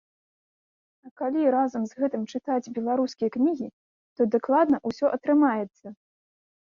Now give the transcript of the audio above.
А калі разам з гэтым чытаць беларускія кнігі, то дакладна ўсё атрымаецца.